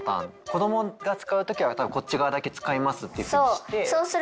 子どもが使う時は多分こっち側だけ使いますっていうふうにして。